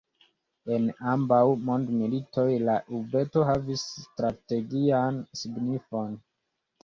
En ambaŭ mondmilitoj la urbeto havis strategian signifon.